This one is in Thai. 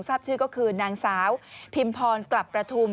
ทราบชื่อก็คือนางสาวพิมพรกลับประทุม